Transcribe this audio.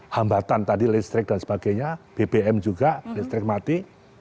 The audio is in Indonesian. hambatan tadi listrik dan sebagainya bbm juga listrik mati